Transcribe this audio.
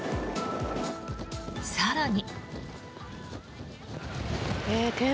更に。